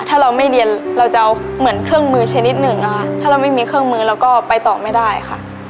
ถ้าเราไม่เรียนเราจะเอาเหมือนเครื่องมือชนิดหนึ่งอะค่ะถ้าเราไม่มีเครื่องมือเราก็ไปต่อไม่ได้ค่ะ